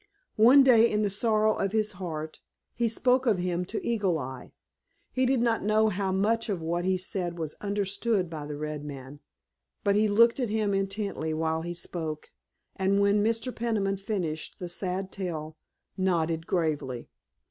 One day in the sorrow of his heart he spoke of him to Eagle Eye. He did not know how much of what he said was understood by the red man, but he looked at him intently while he spoke, and when Mr. Peniman finished the sad tale nodded gravely.